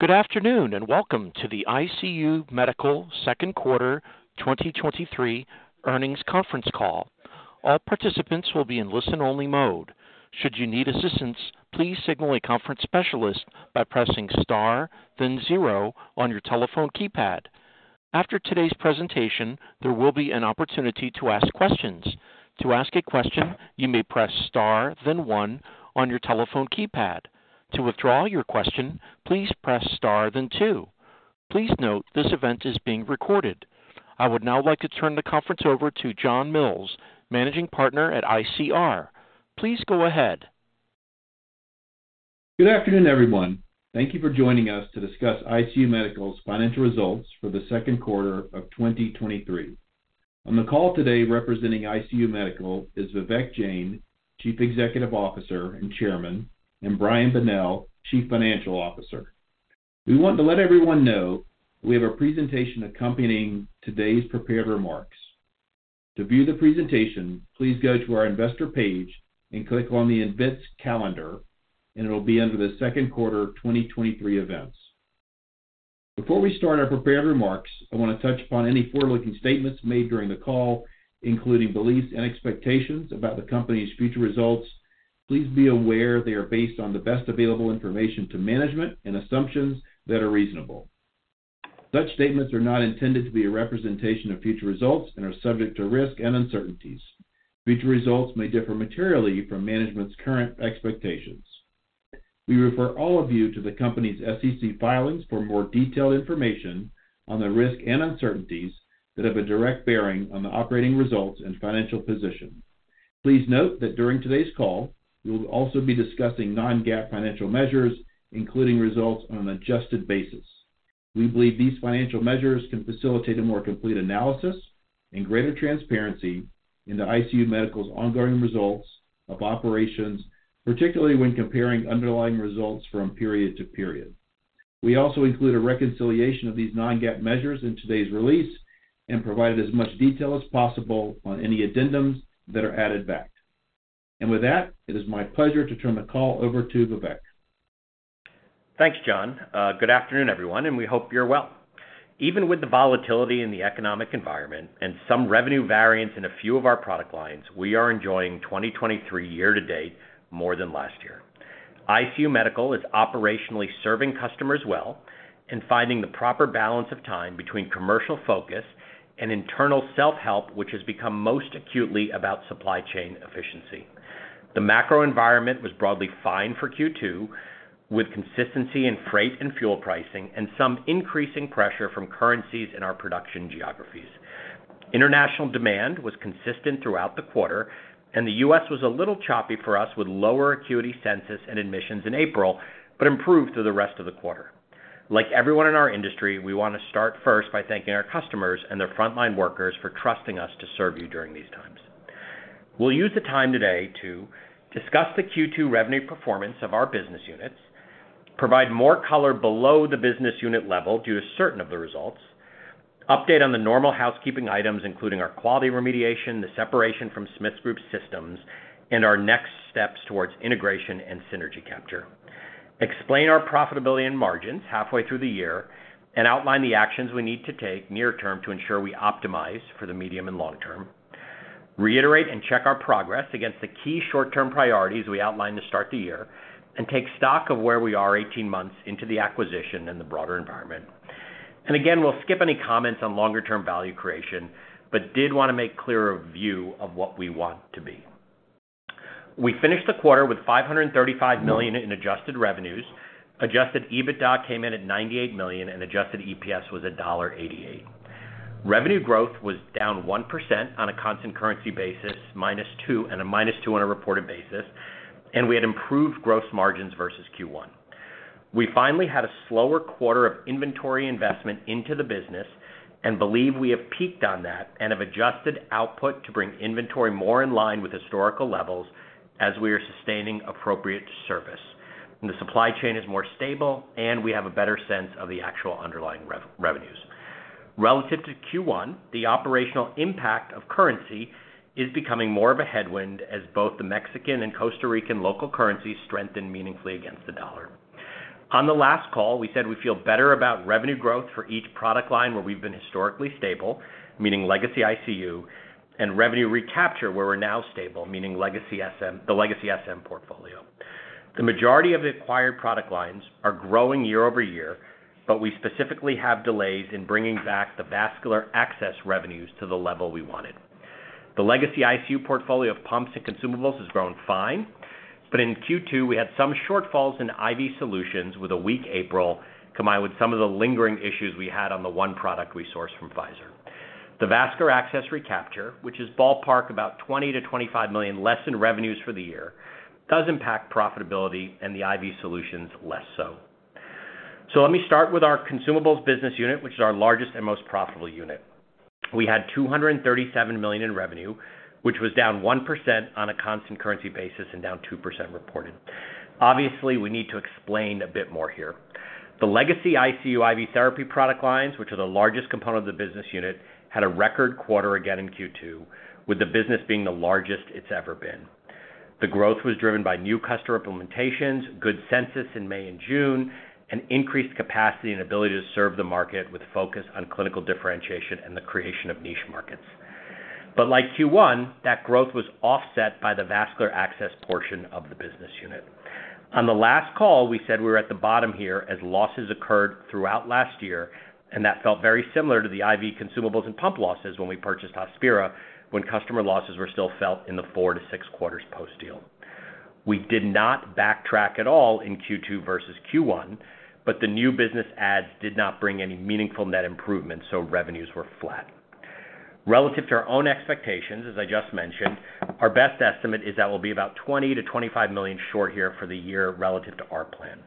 Good afternoon, welcome to the ICU Medical second quarter 2023 earnings conference call. All participants will be in listen-only mode. Should you need assistance, please signal a conference specialist by pressing Star, then zero on your telephone keypad. After today's presentation, there will be an opportunity to ask questions. To ask a question, you may press Star, then one on your telephone keypad. To withdraw your question, please press Star, then two. Please note, this event is being recorded. I would now like to turn the conference over to John Mills, Managing Partner at ICR. Please go ahead. Good afternoon, everyone. Thank you for joining us to discuss ICU Medical's financial results for the second quarter of 2023. On the call today representing ICU Medical is Vivek Jain, Chief Executive Officer and Chairman, and Brian Bonnell, Chief Financial Officer. We want to let everyone know we have a presentation accompanying today's prepared remarks. To view the presentation, please go to our investor page and click on the Events Calendar, and it'll be under the second quarter of 2023 events. Before we start our prepared remarks, I want to touch upon any forward-looking statements made during the call, including beliefs and expectations about the company's future results. Please be aware they are based on the best available information to management and assumptions that are reasonable. Such statements are not intended to be a representation of future results and are subject to risk and uncertainties. Future results may differ materially from management's current expectations. We refer all of you to the company's SEC filings for more detailed information on the risks and uncertainties that have a direct bearing on the operating results and financial position. Please note that during today's call, we will also be discussing non-GAAP financial measures, including results on an adjusted basis. We believe these financial measures can facilitate a more complete analysis and greater transparency into ICU Medical's ongoing results of operations, particularly when comparing underlying results from period to period. We also include a reconciliation of these non-GAAP measures in today's release and provide as much detail as possible on any addendums that are added back. With that, it is my pleasure to turn the call over to Vivek. Thanks, John. Good afternoon, everyone, and we hope you're well. Even with the volatility in the economic environment and some revenue variance in a few of our product lines, we are enjoying 2023 year to date more than last year. ICU Medical is operationally serving customers well and finding the proper balance of time between commercial focus and internal self-help, which has become most acutely about supply chain efficiency. The macro environment was broadly fine for Q2, with consistency in freight and fuel pricing and some increasing pressure from currencies in our production geographies. International demand was consistent throughout the quarter, and the U.S. was a little choppy for us, with lower acuity census and admissions in April, but improved through the rest of the quarter. Like everyone in our industry, we want to start first by thanking our customers and their frontline workers for trusting us to serve you during these times. We'll use the time today to discuss the Q2 revenue performance of our business units, provide more color below the business unit level due to certain of the results, update on the normal housekeeping items, including our quality remediation, the separation from Smiths Group, and our next steps towards integration and synergy capture. Explain our profitability and margins halfway through the year. Outline the actions we need to take near term to ensure we optimize for the medium and long term. Reiterate and check our progress against the key short-term priorities we outlined to start the year and take stock of where we are 18 months into the acquisition and the broader environment. Again, we'll skip any comments on longer-term value creation, but did want to make clearer view of what we want to be. We finished the quarter with $535 million in adjusted revenues. Adjusted EBITDA came in at 98 million, and Adjusted EPS was $1.88. Revenue growth was down 1% on a constant currency basis, -2% and a -2% on a reported basis, and we had improved gross margins versus Q1. We finally had a slower quarter of inventory investment into the business and believe we have peaked on that and have adjusted output to bring inventory more in line with historical levels as we are sustaining appropriate service. The supply chain is more stable, and we have a better sense of the actual underlying revenues. Relative to Q1, the operational impact of currency is becoming more of a headwind as both the Mexican and Costa Rican local currencies strengthen meaningfully against the dollar. On the last call, we said we feel better about revenue growth for each product line where we've been historically stable, meaning legacy ICU, and revenue recapture, where we're now stable, meaning the legacy SM portfolio. The majority of the acquired product lines are growing year-over-year, but we specifically have delays in bringing back the vascular access revenues to the level we wanted. The legacy ICU portfolio of pumps and consumables has grown fine, but in Q2, we had some shortfalls in IV solutions with a weak April, combined with some of the lingering issues we had on the one product we sourced from Pfizer. The vascular access recapture, which is ballpark about 20 million-25 million less in revenues for the year, does impact profitability and the IV solutions less so. Let me start with our consumables business unit, which is our largest and most profitable unit. We had 237 million in revenue, which was down 1% on a constant currency basis and down 2% reported. Obviously, we need to explain a bit more here. The legacy ICU IV therapy product lines, which are the largest component of the business unit, had a record quarter again in Q2, with the business being the largest it's ever been. The growth was driven by new customer implementations, good census in May and June, and increased capacity and ability to serve the market with focus on clinical differentiation and the creation of niche markets. Like Q1, that growth was offset by the vascular access portion of the business unit. On the last call, we said we were at the bottom here as losses occurred throughout last year, and that felt very similar to the IV consumables and pump losses when we purchased Hospira, when customer losses were still felt in the four to six quarters post-deal. We did not backtrack at all in Q2 versus Q1, but the new business adds did not bring any meaningful net improvement, so revenues were flat. Relative to our own expectations, as I just mentioned, our best estimate is that we'll be about 20 million-25 million short here for the year relative to our plan.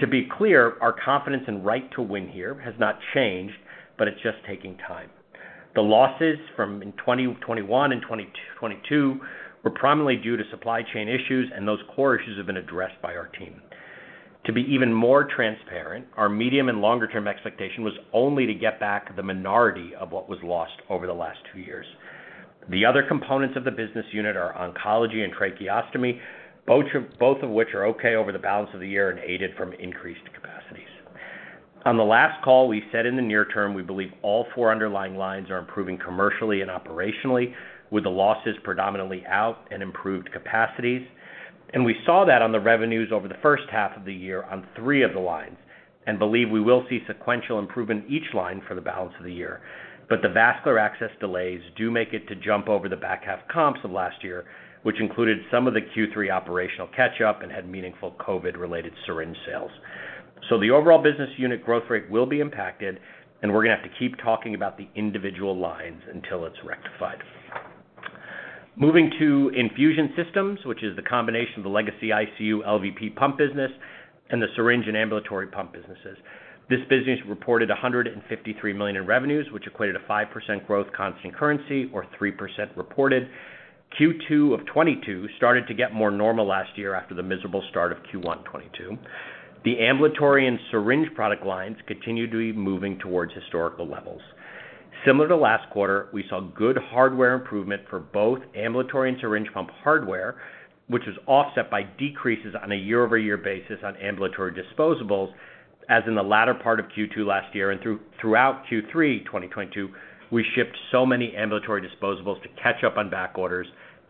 To be clear, our confidence and right to win here has not changed, but it's just taking time. The losses from in 2021 and 2022 were primarily due to supply chain issues. Those core issues have been addressed by our team. To be even more transparent, our medium and longer-term expectation was only to get back the minority of what was lost over the last two years. The other components of the business unit are oncology and tracheostomy, both of which are okay over the balance of the year and aided from increased capacities. On the last call, we said in the near term, we believe all four underlying lines are improving commercially and operationally, with the losses predominantly out and improved capacities. We saw that on the revenues over the first half of the year on three of the lines, and believe we will see sequential improvement in each line for the balance of the year. The vascular access delays do make it to jump over the back half comps of last year, which included some of the Q3 operational catch-up and had meaningful COVID-related syringe sales. The overall business unit growth rate will be impacted, and we're going to have to keep talking about the individual lines until it's rectified. Moving to Infusion Systems, which is the combination of the legacy ICU LVP pump business and the syringe and ambulatory pump businesses. This business reported 153 million in revenues, which equated to 5% growth, constant currency, or 3% reported. Q2 of 2022 started to get more normal last year after the miserable start of Q1 2022. The ambulatory and syringe product lines continue to be moving towards historical levels. Similar to last quarter, we saw good hardware improvement for both ambulatory and syringe pump hardware, which was offset by decreases on a year-over-year basis on ambulatory disposables, as in the latter part of Q2 2022 and throughout Q3 2022, we shipped so many ambulatory disposables to catch up on back orders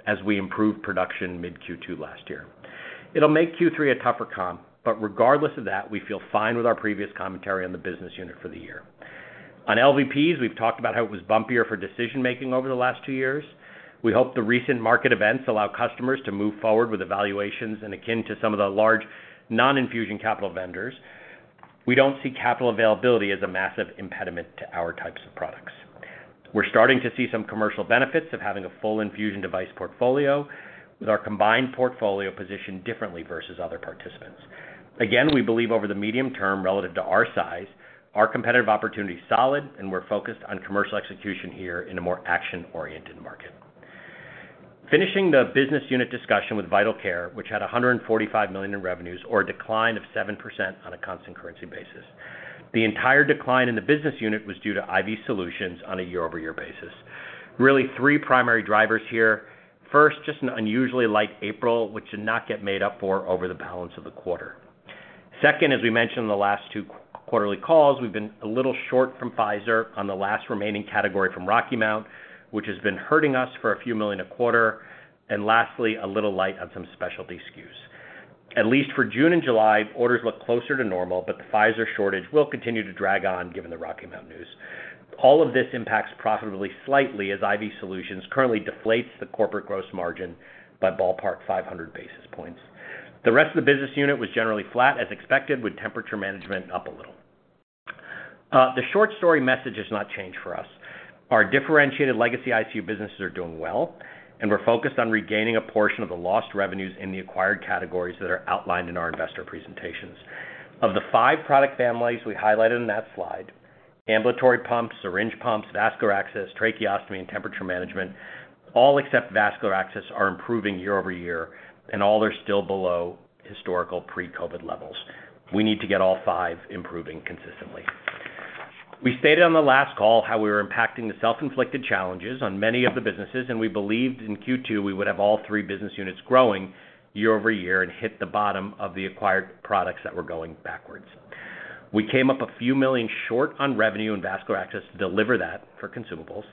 as we improved production mid-Q2 2022. It'll make Q3 a tougher comp, regardless of that, we feel fine with our previous commentary on the business unit for the year. On LVPs, we've talked about how it was bumpier for decision-making over the last two years. We hope the recent market events allow customers to move forward with evaluations and akin to some of the large non-infusion capital vendors. We don't see capital availability as a massive impediment to our types of products. We're starting to see some commercial benefits of having a full infusion device portfolio, with our combined portfolio positioned differently versus other participants. We believe over the medium term, relative to our size, our competitive opportunity is solid, and we're focused on commercial execution here in a more action-oriented market. Finishing the business unit discussion with Vital Care, which had 145 million in revenues, or a decline of 7% on a constant currency basis. The entire decline in the business unit was due to IV solutions on a year-over-year basis. Really, three primary drivers here. First, just an unusually light April, which did not get made up for over the balance of the quarter. Second, as we mentioned in the last two quarterly calls, we've been a little short from Pfizer on the last remaining category from Rocky Mount, which has been hurting us for a few million a quarter. Lastly, a little light on some specialty SKUs. At least for June and July, orders look closer to normal, but the Pfizer shortage will continue to drag on given the Rocky Mount news. All of this impacts profitably slightly, as IV solutions currently deflates the corporate gross margin by ballpark 500 basis points. The rest of the business unit was generally flat, as expected, with temperature management up a little. The short story message has not changed for us. Our differentiated legacy ICU businesses are doing well, and we're focused on regaining a portion of the lost revenues in the acquired categories that are outlined in our investor presentations. Of the five product families we highlighted in that slide, ambulatory pumps, syringe pumps, vascular access, tracheostomy, and temperature management, all except vascular access are improving year-over-year. All are still below historical pre-COVID levels. We need to get all five improving consistently. We stated on the last call how we were impacting the self-inflicted challenges on many of the businesses. We believed in Q2 we would have all three business units growing year-over-year and hit the bottom of the acquired products that were going backwards. We came up a few million short on revenue and vascular access to deliver that for consumables.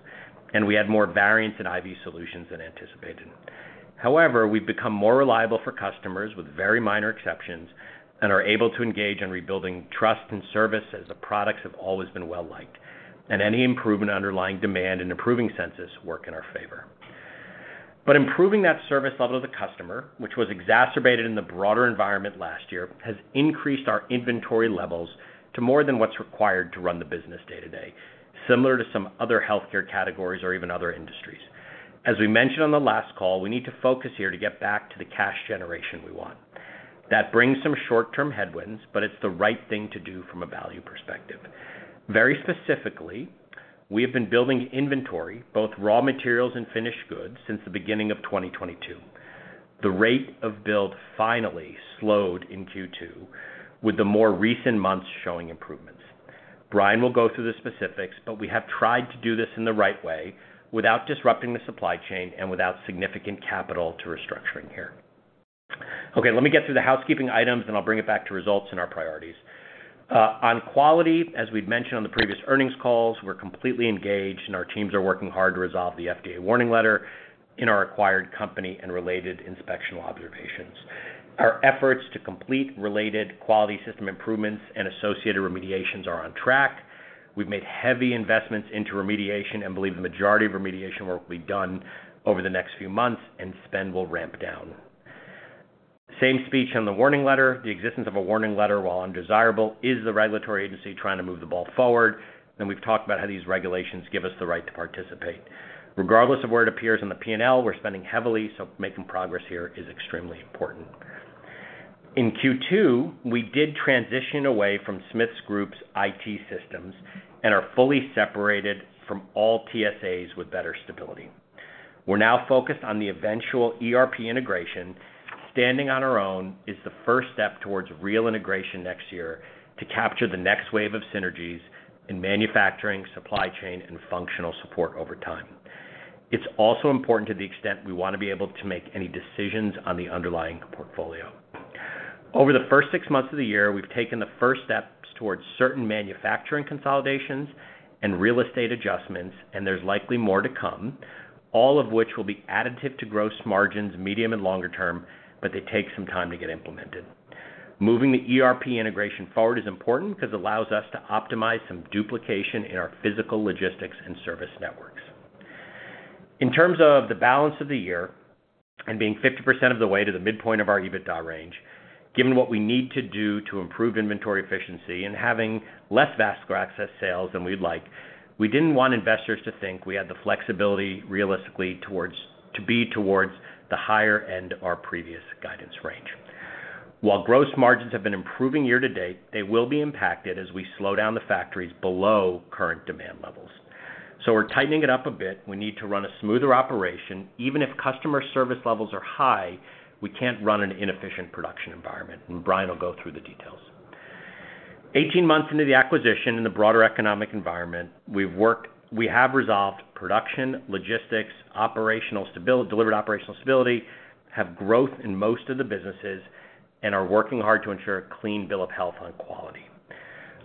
We had more variance in IV solutions than anticipated. We've become more reliable for customers with very minor exceptions, and are able to engage in rebuilding trust and service, as the products have always been well-liked, and any improvement in underlying demand and improving census work in our favor. Improving that service level of the customer, which was exacerbated in the broader environment last year, has increased our inventory levels to more than what's required to run the business day-to-day, similar to some other healthcare categories or even other industries. As we mentioned on the last call, we need to focus here to get back to the cash generation we want. That brings some short-term headwinds, but it's the right thing to do from a value perspective. Very specifically, we have been building inventory, both raw materials and finished goods, since the beginning of 2022. The rate of build finally slowed in Q2, with the more recent months showing improvements. Brian will go through the specifics, but we have tried to do this in the right way, without disrupting the supply chain and without significant capital to restructuring here. Okay, let me get through the housekeeping items, then I'll bring it back to results and our priorities. On quality, as we've mentioned on the previous earnings calls, we're completely engaged, and our teams are working hard to resolve the FDA Warning Letter in our acquired company and related inspectional observations. Our efforts to complete related quality system improvements and associated remediations are on track. We've made heavy investments into remediation and believe the majority of remediation work will be done over the next few months, and spend will ramp down. Same speech on the Warning Letter. The existence of a Warning Letter, while undesirable, is the regulatory agency trying to move the ball forward. We've talked about how these regulations give us the right to participate. Regardless of where it appears in the P&L, we're spending heavily. Making progress here is extremely important. In Q2, we did transition away from Smiths Group's IT systems and are fully separated from all TSAs with better stability. We're now focused on the eventual ERP integration. Standing on our own is the first step towards real integration next year to capture the next wave of synergies in manufacturing, supply chain, and functional support over time. It's also important to the extent we want to be able to make any decisions on the underlying portfolio. Over the first six months of the year, we've taken the first steps towards certain manufacturing consolidations and real estate adjustments, and there's likely more to come, all of which will be additive to gross margins, medium and longer term, but they take some time to get implemented. Moving the ERP integration forward is important because it allows us to optimize some duplication in our physical logistics and service networks. In terms of the balance of the year and being 50% of the way to the midpoint of our EBITDA range, given what we need to do to improve inventory efficiency and having less vascular access sales than we'd like, we didn't want investors to think we had the flexibility realistically to be towards the higher end of our previous guidance range. While gross margins have been improving year to date, they will be impacted as we slow down the factories below current demand levels. We're tightening it up a bit. We need to run a smoother operation. Even if customer service levels are high, we can't run an inefficient production environment. Brian will go through the details. 18 months into the acquisition in the broader economic environment, we have resolved production, logistics, delivered operational stability, have growth in most of the businesses, and are working hard to ensure a clean bill of health on quality.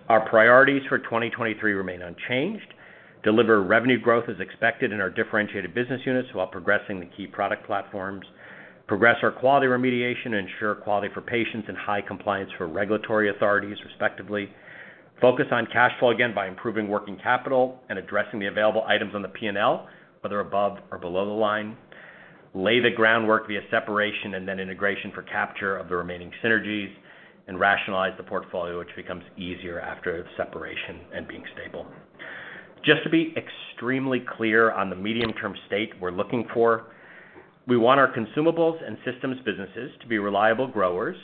Our priorities for 2023 remain unchanged. Deliver revenue growth as expected in our differentiated business units while progressing the key product platforms. Progress our quality remediation, and ensure quality for patients and high compliance for regulatory authorities, respectively. Focus on cash flow again by improving working capital and addressing the available items on the P&L, whether above or below the line. Lay the groundwork via separation and then integration for capture of the remaining synergies, and rationalize the portfolio, which becomes easier after separation and being stable. Just to be extremely clear on the medium-term state we're looking for, we want our consumables and systems businesses to be reliable growers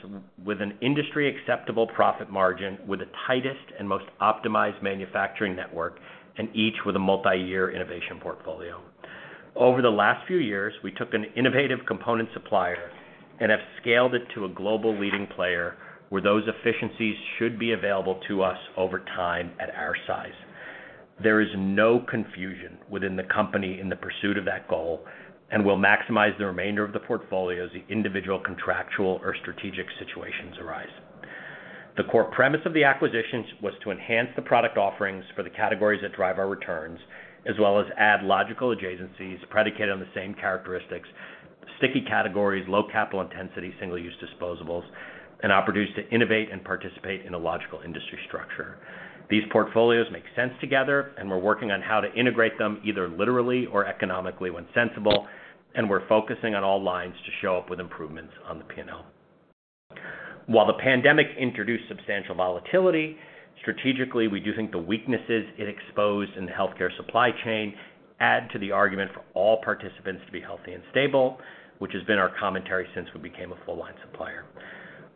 with an industry-acceptable profit margin, with the tightest and most optimized manufacturing network, and each with a multi-year innovation portfolio. Over the last few years, we took an innovative component supplier and have scaled it to a global leading player, where those efficiencies should be available to us over time at our size. There is no confusion within the company in the pursuit of that goal, and we'll maximize the remainder of the portfolio as the individual, contractual, or strategic situations arise. The core premise of the acquisitions was to enhance the product offerings for the categories that drive our returns, as well as add logical adjacencies predicated on the same characteristics, sticky categories, low capital intensity, single-use disposables, and opportunities to innovate and participate in a logical industry structure. These portfolios make sense together, and we're working on how to integrate them, either literally or economically, when sensible, and we're focusing on all lines to show up with improvements on the P&L. While the pandemic introduced substantial volatility, strategically, we do think the weaknesses it exposed in the healthcare supply chain add to the argument for all participants to be healthy and stable, which has been our commentary since we became a full line supplier.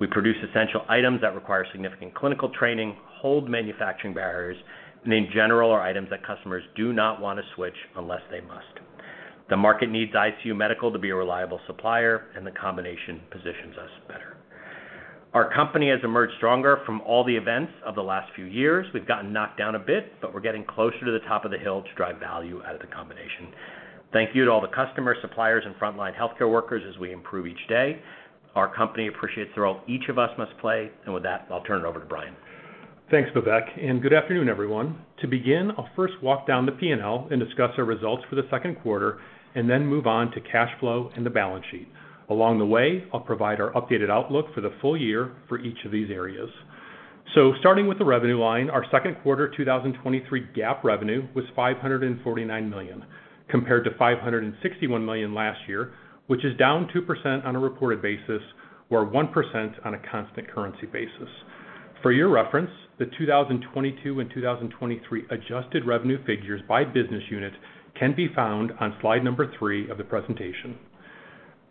We produce essential items that require significant clinical training, hold manufacturing barriers, and in general, are items that customers do not want to switch unless they must. The market needs ICU Medical to be a reliable supplier, and the combination positions us better. Our company has emerged stronger from all the events of the last few years. We've gotten knocked down a bit, but we're getting closer to the top of the hill to drive value out of the combination. Thank you to all the customers, suppliers, and frontline healthcare workers as we improve each day. Our company appreciates the role each of us must play. With that, I'll turn it over to Brian. Thanks, Vivek, and good afternoon, everyone. To begin, I'll first walk down the P&L and discuss our results for the second quarter and then move on to cash flow and the balance sheet. Along the way, I'll provide our updated outlook for the full year for each of these areas. Starting with the revenue line, our second quarter 2023 GAAP revenue was 549 million, compared to 561 million last year, which is down 2% on a reported basis or 1% on a constant currency basis. For your reference, the 2022 and 2023 adjusted revenue figures by business unit can be found on slide number 3 of the presentation.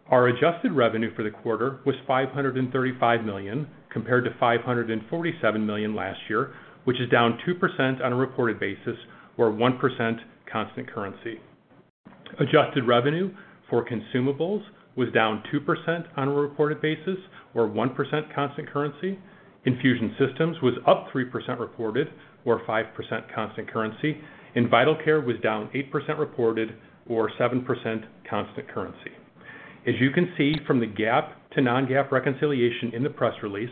Our adjusted revenue for the quarter was 535 million, compared to 547 million last year, which is down 2% on a reported basis or 1% constant currency. Adjusted revenue for consumables was down 2% on a reported basis or 1% constant currency. Infusion Systems was up 3% reported or 5% constant currency, and Vital Care was down 8% reported or 7% constant currency. As you can see from the GAAP to non-GAAP reconciliation in the press release,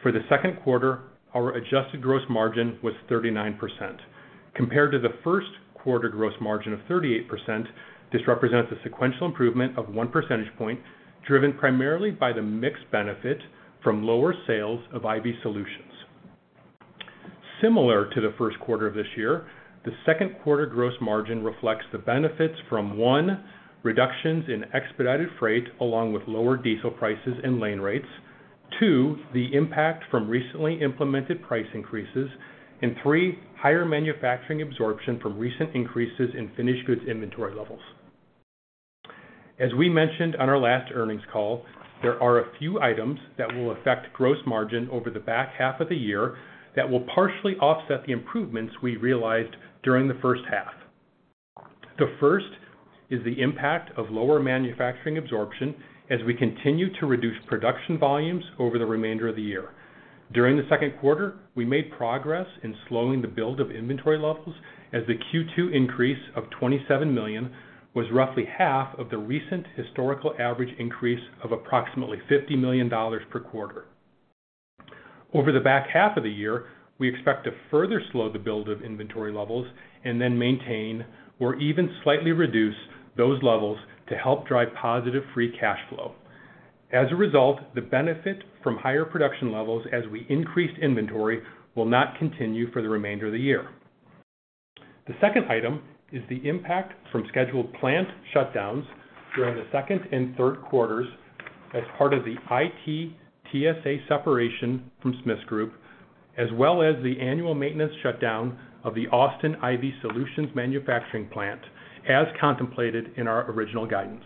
for the second quarter, our adjusted gross margin was 39%. Compared to the first quarter gross margin of 38%, this represents a sequential improvement of one percentage point, driven primarily by the mix benefit from lower sales of IV solutions. Similar to the 1st quarter of this year, the 2nd quarter gross margin reflects the benefits from, one, reductions in expedited freight along with lower diesel prices and lane rates. two, the impact from recently implemented price increases, and three, higher manufacturing absorption from recent increases in finished goods inventory levels. As we mentioned on our last earnings call, there are a few items that will affect gross margin over the back half of the year that will partially offset the improvements we realized during the 1st half. The 1st is the impact of lower manufacturing absorption as we continue to reduce production volumes over the remainder of the year. During the 2nd quarter, we made progress in slowing the build of inventory levels as the Q2 increase of 27 million was roughly half of the recent historical average increase of approximately $50 million per quarter. Over the back half of the year, we expect to further slow the build of inventory levels and then maintain or even slightly reduce those levels to help drive positive free cash flow. As a result, the benefit from higher production levels as we increase inventory, will not continue for the remainder of the year. The second item is the impact from scheduled plant shutdowns during the second and third quarters as part of the IT TSA separation from Smiths Group, as well as the annual maintenance shutdown of the Austin IV Solutions manufacturing plant, as contemplated in our original guidance.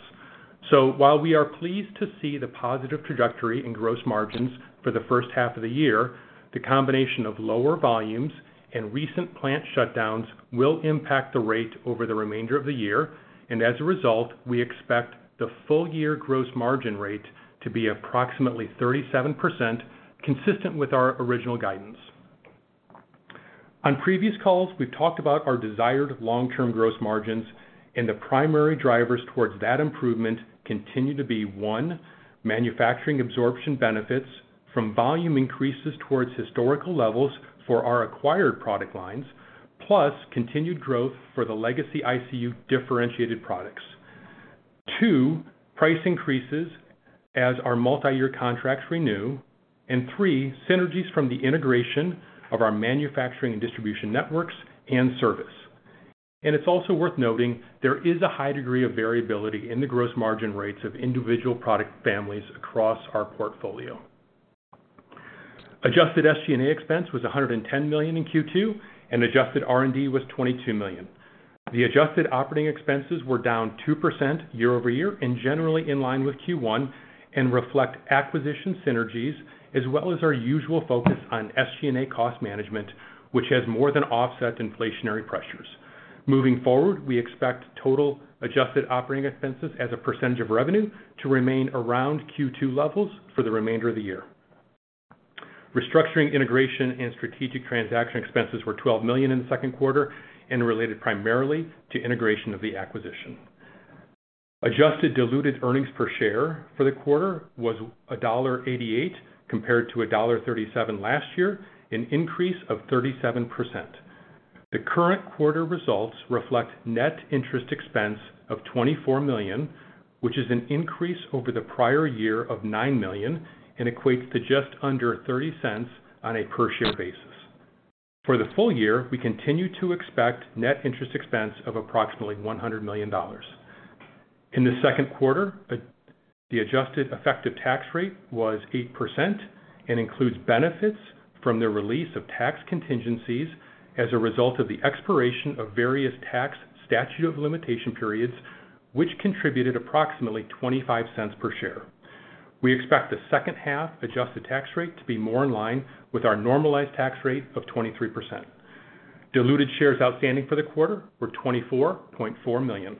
While we are pleased to see the positive trajectory in gross margins for the first half of the year, the combination of lower volumes and recent plant shutdowns will impact the rate over the remainder of the year, and as a result, we expect the full year gross margin rate to be approximately 37%, consistent with our original guidance. On previous calls, we've talked about our desired long-term gross margins, and the primary drivers towards that improvement continue to be, one, manufacturing absorption benefits from volume increases towards historical levels for our acquired product lines, plus continued growth for the legacy ICU differentiated products. tthree,, price increases as our multi-year contracts renew, and three, synergies from the integration of our manufacturing and distribution networks and service. It's also worth noting, there is a high degree of variability in the gross margin rates of individual product families across our portfolio. Adjusted SG&A expense was 110 million in Q2, and adjusted R&D was 22 million. The adjusted operating expenses were down 2% year-over-year and generally in line with Q1, and reflect acquisition synergies, as well as our usual focus on SG&A cost management, which has more than offset inflationary pressures. Moving forward, we expect total adjusted operating expenses as a percentage of revenue to remain around Q2 levels for the remainder of the year. Restructuring, integration, and strategic transaction expenses were 12 million in the second quarter and related primarily to integration of the acquisition. Adjusted diluted earnings per share for the quarter was $1.88, compared to $1.37 last year, an increase of 37%. The current quarter results reflect net interest expense of 24 million, which is an increase over the prior year of 9 million and equates to just under 0.30 on a per-share basis. For the full year, we continue to expect net interest expense of approximately $100 million. In the second quarter, the adjusted effective tax rate was 8% and includes benefits from the release of tax contingencies as a result of the expiration of various tax statute of limitation periods, which contributed approximately 0.25 per share. We expect the second half-adjusted tax rate to be more in line with our normalized tax rate of 23%. Diluted shares outstanding for the quarter were 24.4 million.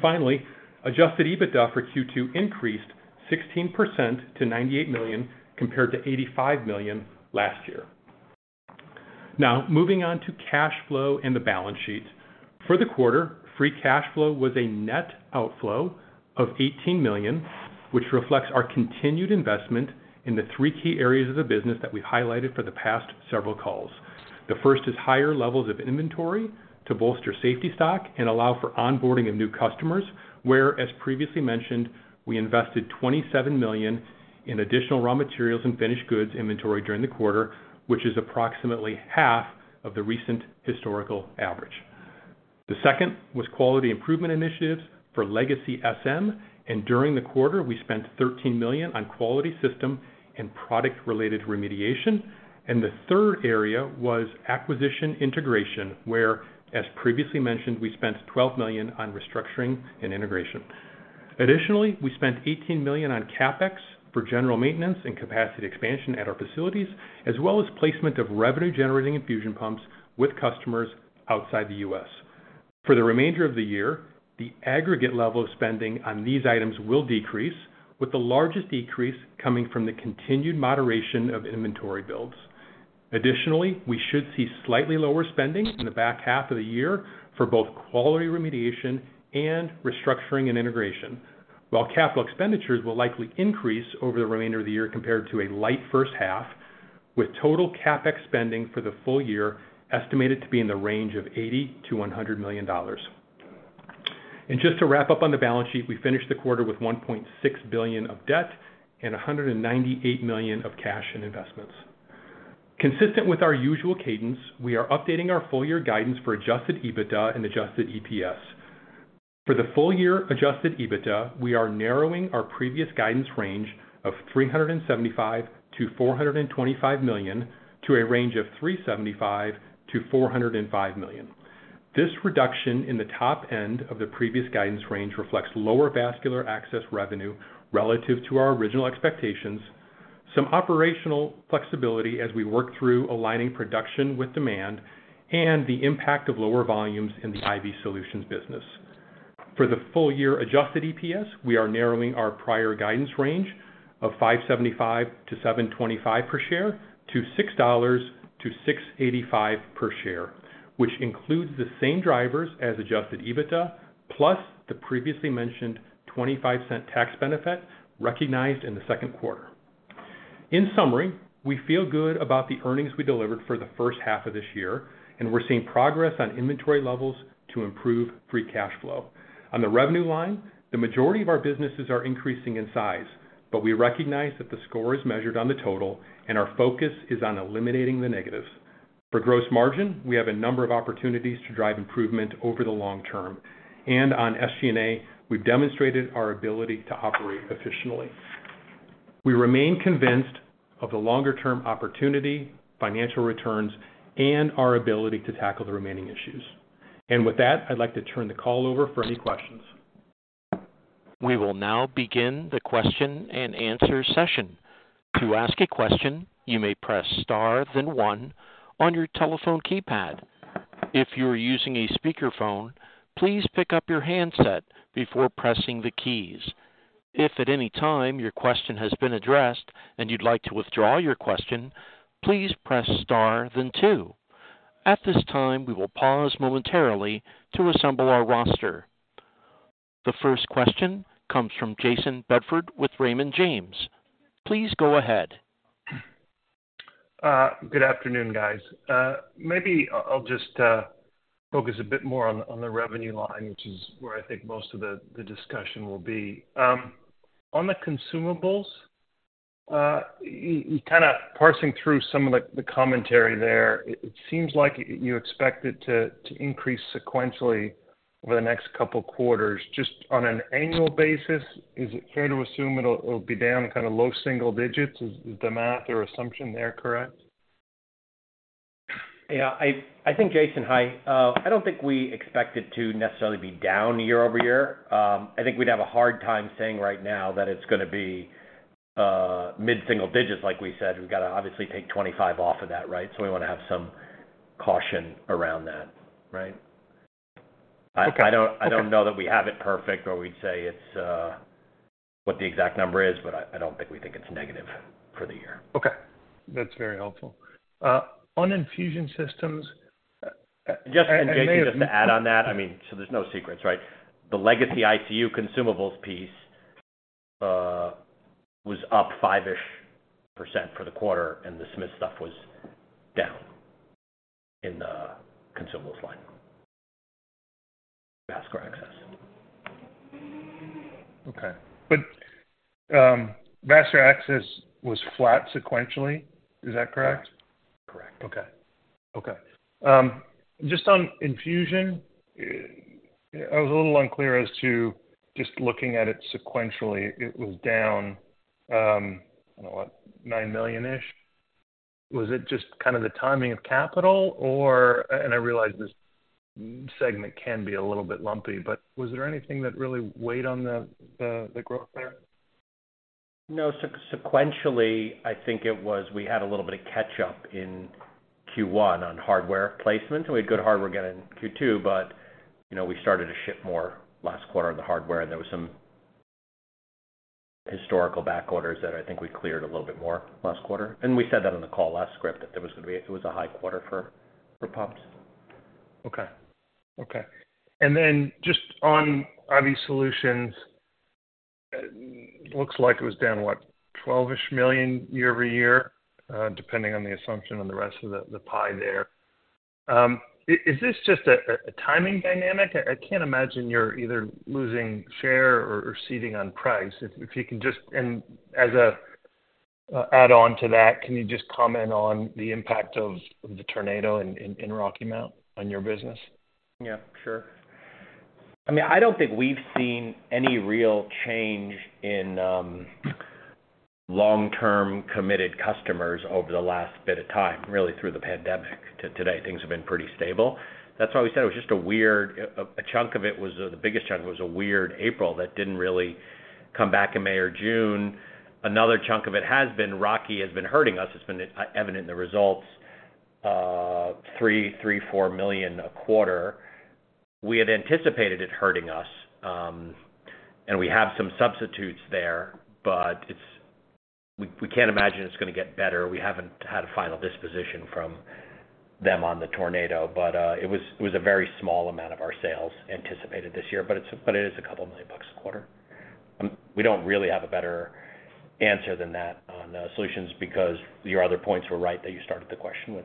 Finally, Adjusted EBITDA for Q2 increased 16% to 98 million, compared to 85 million last year. Now, moving on to cash flow and the balance sheet. For the quarter, free cash flow was a net outflow of 18 million, which reflects our continued investment in the three key areas of the business that we've highlighted for the past several calls. The first is higher levels of inventory to bolster safety stock and allow for onboarding of new customers, where, as previously mentioned, we invested 27 million in additional raw materials and finished goods inventory during the quarter, which is approximately half of the recent historical average. The second was quality improvement initiatives for legacy SM, and during the quarter, we spent 13 million on quality system and product-related remediation, and the third area was acquisition integration, where, as previously mentioned, we spent 12 million on restructuring and integration. We spent 18 million on CapEx for general maintenance and capacity expansion at our facilities, as well as placement of revenue-generating infusion pumps with customers outside the U.S. For the remainder of the year, the aggregate level of spending on these items will decrease, with the largest decrease coming from the continued moderation of inventory builds. We should see slightly lower spending in the back half of the year for both quality remediation and restructuring and integration, while capital expenditures will likely increase over the remainder of the year compared to a light first half, with total CapEx spending for the full year estimated to be in the range of $80 million-$100 million. Just to wrap up on the balance sheet, we finished the quarter with 1.6 billion of debt and 198 million of cash and investments. Consistent with our usual cadence, we are updating our full year guidance for Adjusted EBITDA and Adjusted EPS. For the full year Adjusted EBITDA, we are narrowing our previous guidance range of 375 million-425 million to a range of 375 million-405 million. This reduction in the top end of the previous guidance range reflects lower vascular access revenue relative to our original expectations, some operational flexibility as we work through aligning production with demand, and the impact of lower volumes in the IV solutions business. For the full year Adjusted EPS, we are narrowing our prior guidance range of 5.75-7.25 per share to 6.00-6.85 per share, which includes the same drivers as Adjusted EBITDA, plus the previously mentioned 0.25 tax benefit recognized in the second quarter. In summary, we feel good about the earnings we delivered for the first half of this year. We're seeing progress on inventory levels to improve free cash flow. On the revenue line, the majority of our businesses are increasing in size. We recognize that the score is measured on the total, our focus is on eliminating the negatives. For gross margin, we have a number of opportunities to drive improvement over the long term. On SG&A, we've demonstrated our ability to operate efficiently. We remain convinced of the longer-term opportunity, financial returns, and our ability to tackle the remaining issues. With that, I'd like to turn the call over for any questions. We will now begin the question and answer session. To ask a question, you may press star, then one on your telephone keypad. If you are using a speakerphone, please pick up your handset before pressing the keys. If at any time your question has been addressed and you'd like to withdraw your question, please press star than two. At this time, we will pause momentarily to assemble our roster. The first question comes from Jason Bedford with Raymond James. Please go ahead. Good afternoon, guys. Maybe I'll just focus a bit more on the revenue line, which is where I think most of the discussion will be. On the consumables, you kind of parsing through some of the commentary there, it seems like you expect it to increase sequentially over the next couple of quarters. Just on an annual basis, is it fair to assume it'll be down kind of low single digits? Is the math or assumption there correct? Yeah, I, I think, Jason, hi. I don't think we expect it to necessarily be down year-over-year. I think we'd have a hard time saying right now that it's gonna be, mid-single digits, like we said. We've got to obviously take 25 off of that, right? We want to have some caution around that, right? Okay. I don't know that we have it perfect, or we'd say it's what the exact number is, but I don't think we think it's negative for the year. Okay. That's very helpful. On Infusion Systems- Jason, just to add on that, I mean, there's no secrets, right? The legacy ICU consumables piece was up 5-ish% for the quarter, and the Smiths stuff was down in the consumables line. vascular access. Okay. Vascular access was flat sequentially. Is that correct? Correct. Okay. Okay. Just on infusion, I was a little unclear as to just looking at it sequentially, it was down, I don't know, what? 9 million-ish. Was it just kind of the timing of capital or... I realize this segment can be a little bit lumpy, but was there anything that really weighed on the, the, the growth there? No. sequentially, I think it was we had a little bit of catch up in Q1 on hardware placement, and we had good hardware again in Q2, but, you know, we started to ship more last quarter of the hardware, and there was some historical back orders that I think we cleared a little bit more last quarter. We said that on the call last script, that it was a high quarter for pumps. Okay. Okay. Then just on IV solutions, looks like it was down, what? 12-ish million year-over-year, depending on the assumption on the rest of the pie there. Is this just a timing dynamic? I can't imagine you're either losing share or ceding on price. If you can just. As an add-on to that, can you just comment on the impact of the tornado in Rocky Mount on your business? Yeah, sure. I mean, I don't think we've seen any real change in.... long-term committed customers over the last bit of time, really through the pandemic. Today, things have been pretty stable. That's why we said it was just a weird chunk of it was, the biggest chunk was a weird April that didn't really come back in May or June. Another chunk of it has been Rocky, has been hurting us. It's been evident in the results, 3 million-4 million a quarter. We had anticipated it hurting us, and we have some substitutes there, but we can't imagine it's gonna get better. We haven't had a final disposition from them on the tornado, it was a very small amount of our sales anticipated this year, but it is 2 million a quarter. We don't really have a better answer than that on solutions because your other points were right, that you started the question with.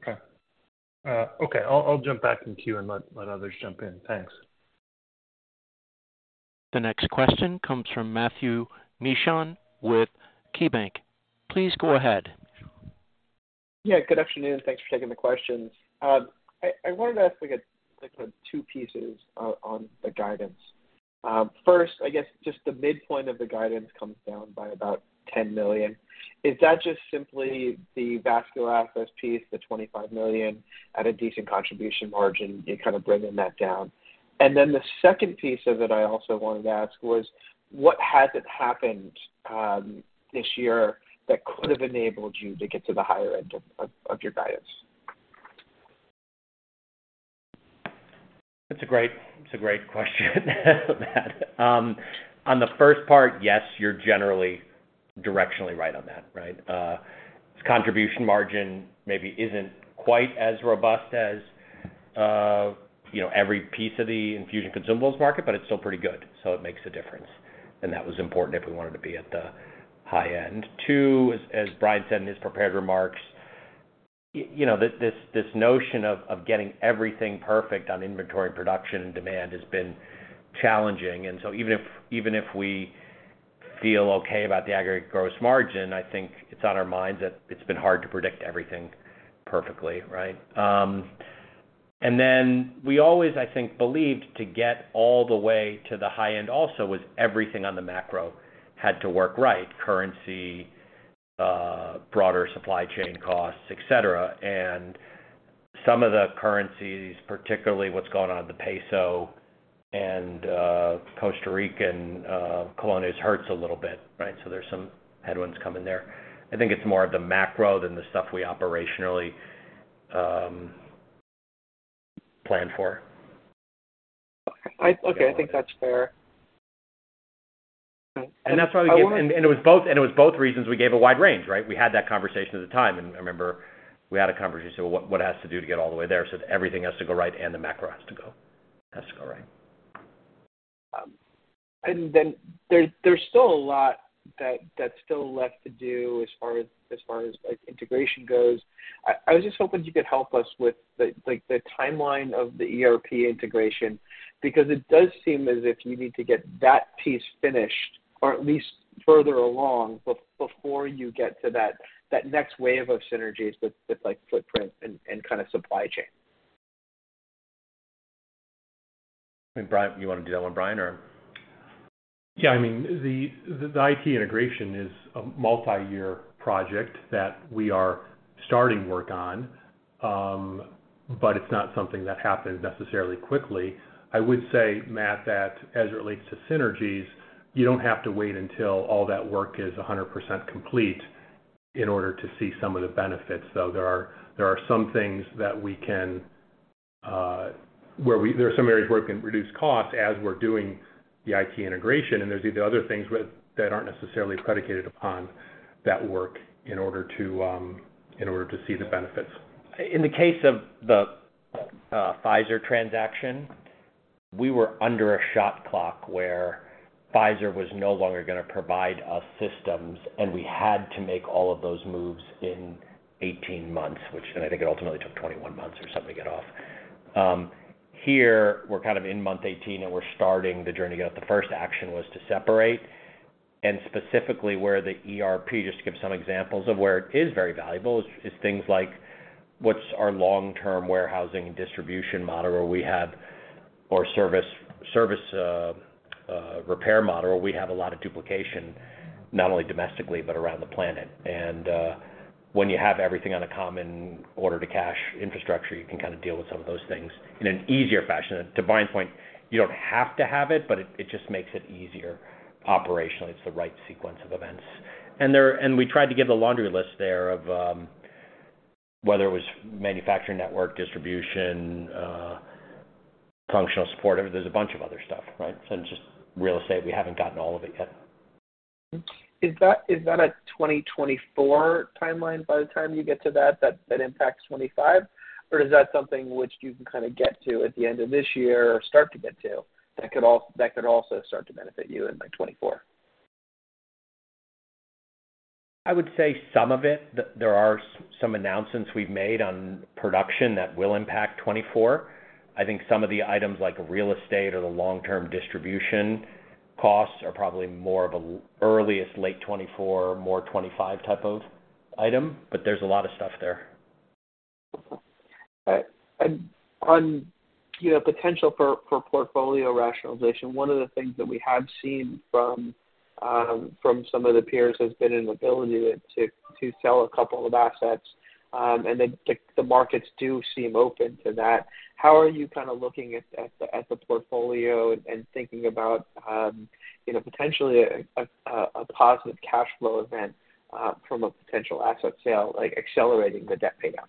Okay. Okay, I'll jump back in queue and let others jump in. Thanks. The next question comes from Matthew Miksic with KeyBanc Capital Markets. Please go ahead. Yeah, good afternoon. Thanks for taking the questions. I, I wanted to ask two pieces on the guidance. First, I guess just the midpoint of the guidance comes down by about 10 million. Is that just simply the vascular access piece, the $25 million at a decent contribution margin, it bringing that down? And then the second piece of it I also wanted to ask was, what hasn't happened this year that could have enabled you to get to the higher end of your guidance? That's a great, it's a great question, Matt. On the first part, yes, you're generally directionally right on that, right? Contribution margin maybe isn't quite as robust as, you know, every piece of the infusion consumables market, but it's still pretty good, so it makes a difference. That was important if we wanted to be at the high end. Two, as Brian said in his prepared remarks, you know, this, this, this notion of, of getting everything perfect on inventory, production and demand has been challenging. So even if, even if we feel okay about the aggregate gross margin, I think it's on our minds that it's been hard to predict everything perfectly, right? Then we always, I think, believed to get all the way to the high end also, was everything on the macro had to work right: currency, broader supply chain costs, et cetera. Some of the currencies, particularly what's going on in the peso and Costa Rican colones, hurts a little bit, right? There's some headwinds coming there. I think it's more of the macro than the stuff we operationally planned for. Okay, I think that's fair. That's why we gave... It was both, and it was both reasons we gave a wide range, right? We had that conversation at the time, and I remember we had a conversation, well, what, what it has to do to get all the way there? Everything has to go right and the macro has to go, has to go right. Then there's, there's still a lot that, that's still left to do as far as, as far as, like, integration goes. I was just hoping you could help us with the, like, the timeline of the ERP integration, because it does seem as if you need to get that piece finished, or at least further along before you get to that, that next wave of synergies with, with like, footprint and kind of supply chain. Brian, you want to do that one, Brian, or? Yeah, I mean, the, the IT integration is a multi-year project that we are starting work on, but it's not something that happens necessarily quickly. I would say, Matt, that as it relates to synergies, you don't have to wait until all that work is 100% complete in order to see some of the benefits, though. There are, there are some things that we can, there are some areas where we can reduce costs as we're doing the IT integration, and there's the other things that aren't necessarily predicated upon that work in order to, in order to see the benefits. In the case of the Pfizer transaction, we were under a shot clock where Pfizer was no longer gonna provide us systems, and we had to make all of those moves in 18 months, which then I think it ultimately took 21 months or something to get off. Here we're kind of in month 18, and we're starting the journey to get... The first action was to separate. Specifically where the ERP, just to give some examples of where it is very valuable, is things like, what's our long-term warehousing and distribution model, where we have or service, service repair model, we have a lot of duplication, not only domestically, but around the planet. When you have everything on a common order-to-cash infrastructure, you can kind of deal with some of those things in an easier fashion. To Brian's point, you don't have to have it, but it, it just makes it easier operationally. It's the right sequence of events. We tried to give the laundry list there of, whether it was manufacturing, network, distribution, functional support, there's a bunch of other stuff, right? Just real estate, we haven't gotten all of it yet. Is that, is that a 2024 timeline by the time you get to that, that, that impacts 2025? Or is that something which you can kind of get to at the end of this year or start to get to, that could also start to benefit you in, like, 2024? I would say some of it. There are some announcements we've made on production that will impact 2024. I think some of the items, like real estate or the long-term distribution costs, are probably more of a earliest late 2024, more 2025 type of item, but there's a lot of stuff there.... On, you know, potential for, for portfolio rationalization, one of the things that we have seen from some of the peers has been an ability to, to, to sell a couple of assets, and then the, the markets do seem open to that. How are you kind of looking at, at the, at the portfolio and thinking about, you know, potentially a, a, a positive cash flow event from a potential asset sale, like accelerating the debt payoff?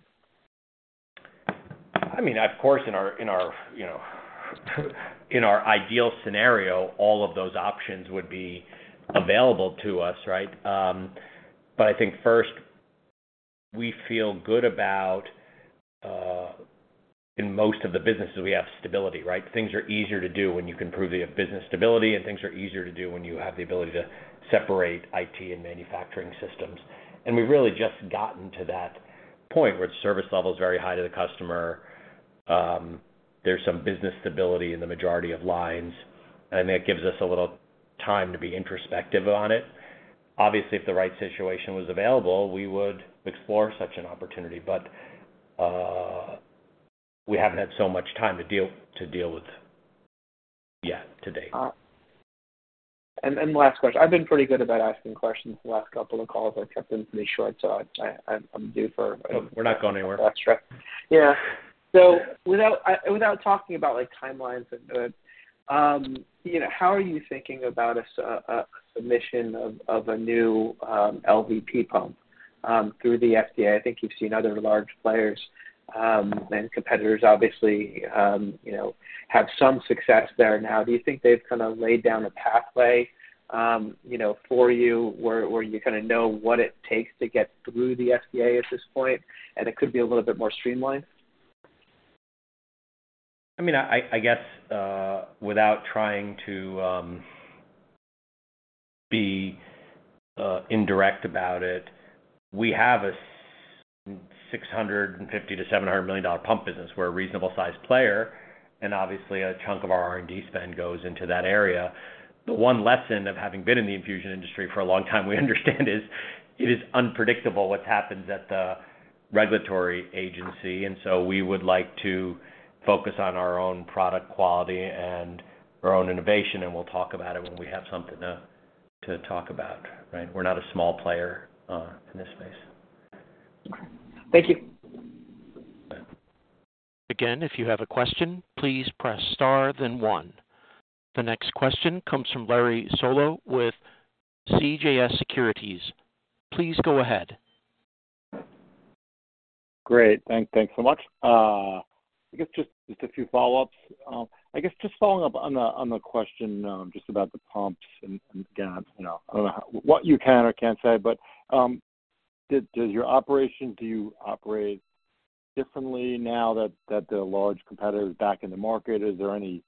I mean, of course, in our, in our, you know, in our ideal scenario, all of those options would be available to us, right? I think first, we feel good about, in most of the businesses, we have stability, right? Things are easier to do when you can prove you have business stability, and things are easier to do when you have the ability to separate IT and manufacturing systems. We've really just gotten to that point where service level is very high to the customer, there's some business stability in the majority of lines, and that gives us a little time to be introspective on it. Obviously, if the right situation was available, we would explore such an opportunity, but, we haven't had so much time to deal, to deal with yet to-date. Last question. I've been pretty good about asking questions the last couple of calls. I kept them pretty short, so I, I, I'm due for. We're not going anywhere. That's true. Yeah. So without, without talking about, like, timelines and the, you know, how are you thinking about a submission of, of a new LVP pump through the FDA? I think you've seen other large players, and competitors obviously, you know, have some success there now. Do you think they've kind of laid down a pathway, you know, for you, where, where you kind of know what it takes to get through the FDA at this point, and it could be a little bit more streamlined? I mean, I, I guess, without trying to be indirect about it, we have a $650 million-$700 million pump business. We're a reasonable-sized player, and obviously, a chunk of our R&D spend goes into that area. The one lesson of having been in the infusion industry for a long time, we understand is, it is unpredictable what happens at the regulatory agency, and so we would like to focus on our own product quality and our own innovation, and we'll talk about it when we have something to talk about, right? We're not a small player in this space. Thank you. Yeah. Again, if you have a question, please press Star, then One. The next question comes from Larry Solow with CJS Securities. Please go ahead. Great. Thanks, thanks so much. I guess just a few follow-ups. I guess just following up on the question, just about the pumps and dabs. You know, I don't know what you can or can't say, but, does your operation, do you operate differently now that the large competitor is back in the market? Is there any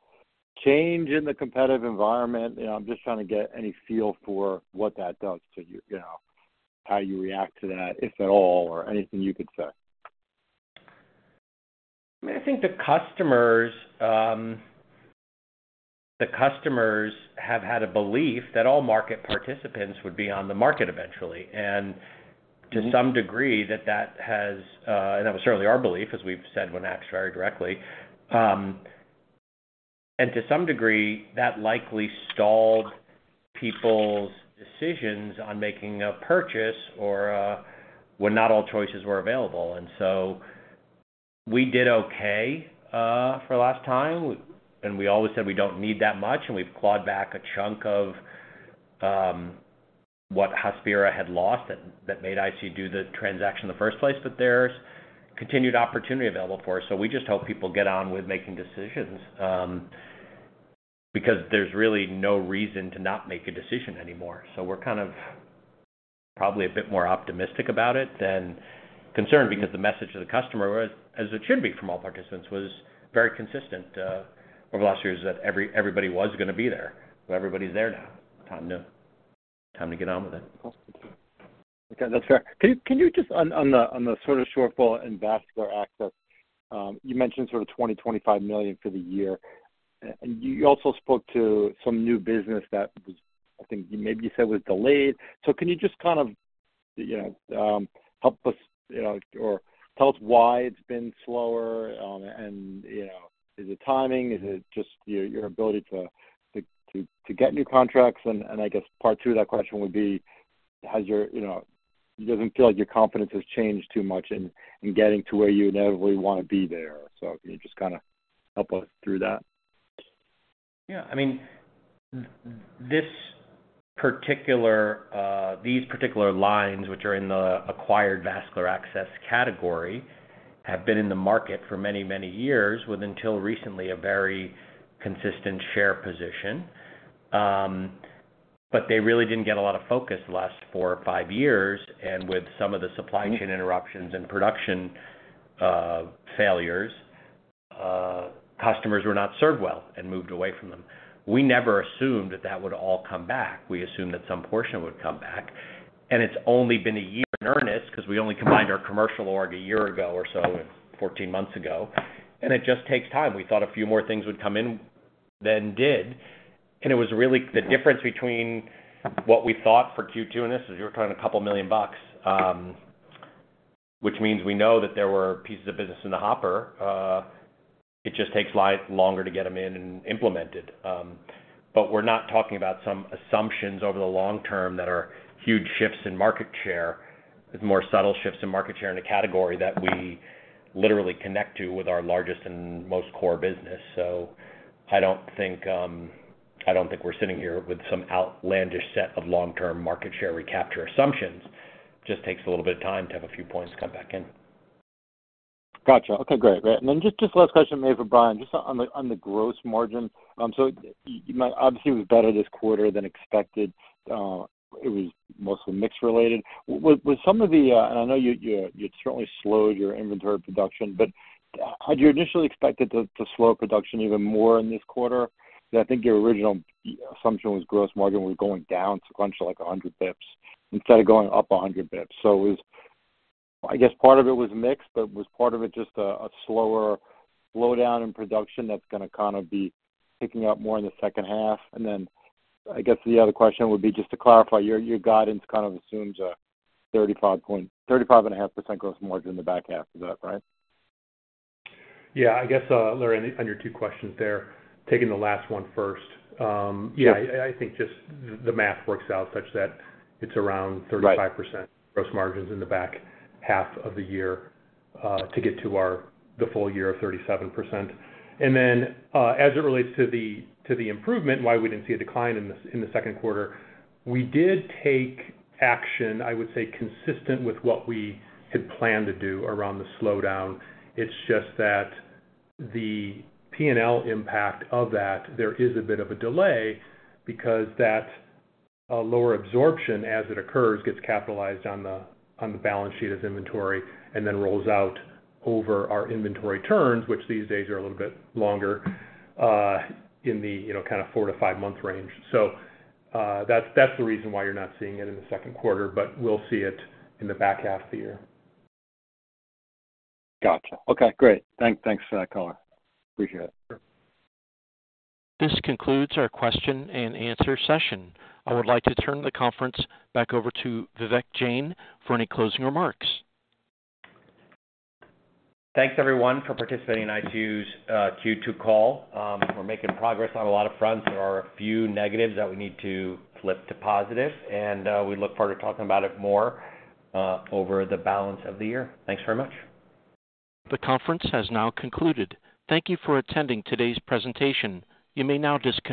change in the competitive environment? You know, I'm just trying to get any feel for what that does to you, you know, how you react to that, if at all, or anything you could say. I think the customers, the customers have had a belief that all market participants would be on the market eventually. To some degree, that that has, and that was certainly our belief, as we've said, when asked very directly. To some degree, that likely stalled people's decisions on making a purchase or, when not all choices were available. We did okay for the last time, and we always said we don't need that much, and we've clawed back a chunk of what Hospira had lost that, that made ICU Medical do the transaction in the first place, but there's continued opportunity available for us. We just hope people get on with making decisions because there's really no reason to not make a decision anymore. We're kind of probably a bit more optimistic about it than concerned, because the message to the customer, as it should be from all participants, was very consistent, over the last years, that everybody was gonna be there. Everybody's there now. Time to, time to get on with it. Okay, that's fair. Can you, can you just on, on the, on the sort of shortfall in vascular access, you mentioned sort of 20 million-25 million for the year. You also spoke to some new business that was, I think maybe you said was delayed. Can you just kind of, you know, help us, you know, or tell us why it's been slower? You know, is it timing? Is it just your, your ability to, to, to, to get new contracts? I guess part two of that question would be, has your... you know, it doesn't feel like your confidence has changed too much in, in getting to where you inevitably want to be there. Can you just kind of help us through that? Yeah. I mean, this particular, these particular lines, which are in the acquired vascular access category, have been in the market for many, many years, with, until recently, a very consistent share position. They really didn't get a lot of focus the last four or five years, and with some of the supply chain interruptions and production failures, customers were not served well and moved away from them. We never assumed that that would all come back. We assumed that some portion would come back, and it's only been a year in earnest because we only combined our commercial org a year ago or so, 14 months ago, and it just takes time. We thought a few more things would come in. than did, and it was really the difference between what we thought for Q2, and this is you're talking a couple million dollars, which means we know that there were pieces of business in the hopper. It just takes life longer to get them in and implemented. We're not talking about some assumptions over the long term that are huge shifts in market share. It's more subtle shifts in market share in a category that we literally connect to with our largest and most core business. I don't think we're sitting here with some outlandish set of long-term market share recapture assumptions. Just takes a little bit of time to have a few points come back in. Gotcha. Okay, great. Great. Just, just last question maybe for Brian, just on the gross margin. You obviously was better this quarter than expected. It was mostly mix related. With, with some of the, and I know you, you certainly slowed your inventory production, but had you initially expected to, to slow production even more in this quarter? Because I think your original assumption was gross margin was going down sequentially, like 100 basis points instead of going up 100 basis points. I guess part of it was mix, but was part of it just a, a slower slowdown in production that's gonna kind of be picking up more in the second half? I guess the other question would be just to clarify, your, your guidance kind of assumes a 35 point... 35.5% gross margin in the back half of that, right? Yeah. I guess, Larry, on your two questions there, taking the last one first. yeah, I, I think just the math works out such that it's around 35%- Right. -gross margins in the back half of the year, to get to our, the full year of 37%. Then, as it relates to the, to the improvement, why we didn't see a decline in the, in the second quarter, we did take action, I would say, consistent with what we had planned to do around the slowdown. It's just that the P&L impact of that, there is a bit of a delay because that lower absorption as it occurs, gets capitalized on the, on the balance sheet as inventory and then rolls out over our inventory turns, which these days are a little bit longer, in the, you know, kind of four- to five-month range. That's, that's the reason why you're not seeing it in the second quarter, but we'll see it in the back half of the year. Gotcha. Okay, great. Thanks for that color. Appreciate it. This concludes our question and answer session. I would like to turn the conference back over to Vivek Jain for any closing remarks. Thanks, everyone, for participating in ICU's Q2 call. We're making progress on a lot of fronts. There are a few negatives that we need to flip to positive, and we look forward to talking about it more over the balance of the year. Thanks very much. The conference has now concluded. Thank you for attending today's presentation. You may now disconnect.